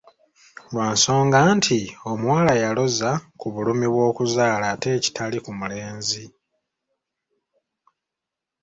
Lwa nsonga nti, omuwala yaloza ku bulumi bw'okuzaala ate ekitali ku mulenzi.